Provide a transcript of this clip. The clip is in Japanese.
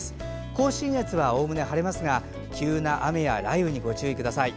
甲信越はおおむね晴れますが急な雨や雷雨にご注意ください。